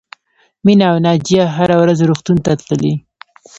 مینه او ناجیه هره ورځ روغتون ته تللې